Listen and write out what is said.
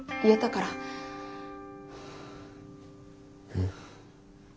うん。